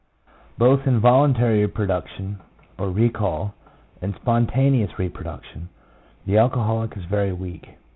Both in voluntary reproduction, or recall, and spon taneous reproduction, the alcoholic is very weak.